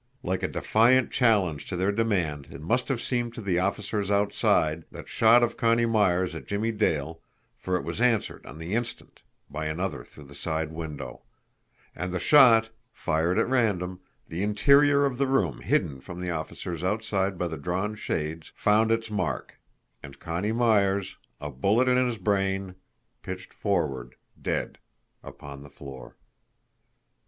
Like a defiant challenge to their demand it must have seemed to the officers outside, that shot of Connie Myers at Jimmie Dale, for it was answered on the instant by another through the side window. And the shot, fired at random, the interior of the room hidden from the officers outside by the drawn shades, found its mark and Connie Myers, a bullet in his brain, pitched forward, dead, upon the floor.